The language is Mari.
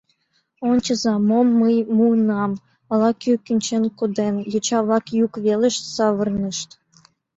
— Ончыза, мом мый муынам, ала-кӧ кӱнчен коден! — йоча-влак йӱк велыш савырнышт.